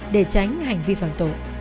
để tránh hành vi phẩm tội